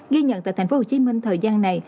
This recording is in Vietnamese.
ghi nhận tại tp hcm thời gian này